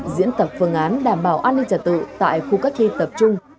diễn tập phương án đảm bảo an ninh trả tự tại khu cách ly tập trung